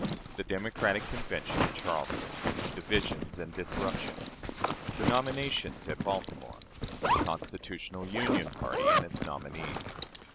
The Democratic Convention at Charleston, its Divisions and Disruption. The Nominations at Baltimore. The "Constitutional Union" Party and its Nominees.